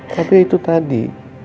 tapi itu tadi